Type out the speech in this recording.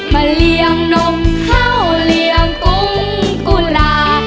มาเลี่ยงนกเข้าเหลี่ยงกุ้งกุหลา